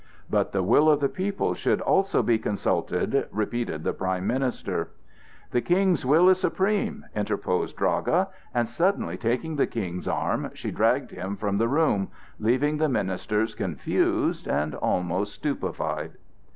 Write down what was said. "But the will of the people should also be consulted!" repeated the prime minister. "The King's will is supreme!" interposed Draga, and suddenly taking the King's arm, she dragged him from the room, leaving the ministers confused and almost stupefied.